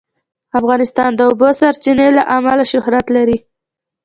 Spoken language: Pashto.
افغانستان د د اوبو سرچینې له امله شهرت لري.